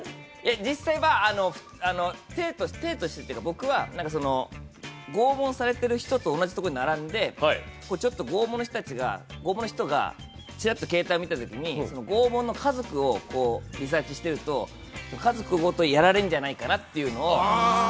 実際は体として、拷問されている人と同じところに並んで、拷問した人がちらっと携帯を見たときに、リサーチしていると家族ごとやられるんじゃないかなっていうのを。